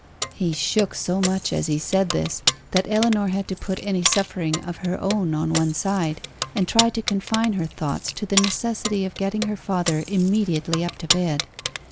He shook so much as he said this, that Ellinor had to put any suffering of her own on one side, and try to confine her thoughts to the necessity of getting her father immediately up to bed.